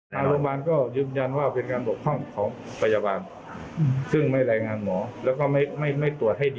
ทางโรงพยาบาลก็ยืนยันว่าเป็นการบกพร่องของพยาบาลซึ่งไม่รายงานหมอแล้วก็ไม่ตรวจให้ดี